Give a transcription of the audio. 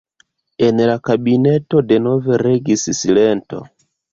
En la kabineto denove regis silento.